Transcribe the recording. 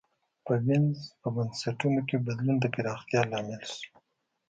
په وینز په بنسټونو کې بدلون د پراختیا لامل شو.